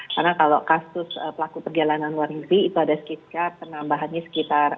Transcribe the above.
karena kalau kasus pelaku perjalanan luar negeri itu ada sekitar penambahannya sekitar empat puluh kasus hari ini